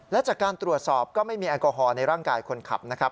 และจากการตรวจสอบก็ไม่มีแอลกอฮอลในร่างกายคนขับนะครับ